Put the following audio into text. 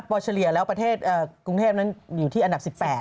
พอเฉลี่ยแล้วประเทศกรุงเทพนั้นอยู่ที่อันดับ๑๘